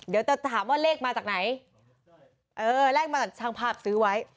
เดี๋ยวต้องถามว่าเลขมาจากไหนแรกมาจากทางภาพซื้อไว้